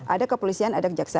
ada kepolisian ada kejaksaan